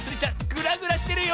グラグラしてるよ。